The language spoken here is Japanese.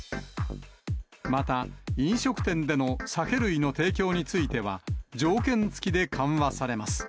また飲食店での酒類の提供については、条件付きで緩和されます。